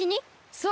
そう！